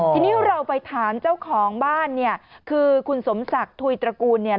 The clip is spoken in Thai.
ทีนี่เราไปถามเจ้าของบ้านคือคุณสมศักดิ์ทุยตระกูล